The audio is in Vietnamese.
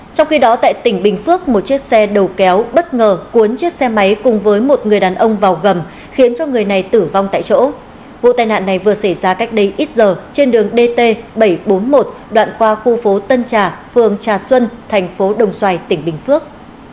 trong khi đó tại tỉnh bình phước một chiếc xe đầu kéo bất ngờ cuốn chiếc xe máy cùng với một người đàn ông vào gầm khiến cho người này tử vong tại chỗ vụ tai nạn này vừa xảy ra cách đây ít giờ trên đường dt bảy trăm bốn mươi một đoạn qua khu phố tân trà phường trà xuân thành phố đồng xoài tỉnh bình phước